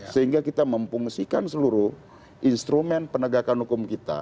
sehingga kita memfungsikan seluruh instrumen penegakan hukum kita